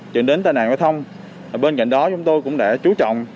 dẫn đến tai nạn giao thông bên cạnh đó chúng tôi cũng đã chú trọng